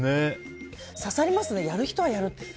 刺さりますねやる人はやるって。